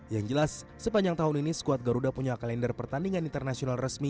yang jelas sepanjang tahun ini skuad garuda punya kalender pertandingan internasional resmi